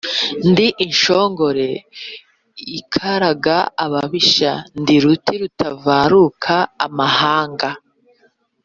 Ndi inshongore ikaraga ababisha, ndi ruti rutavaruka n’amahanga.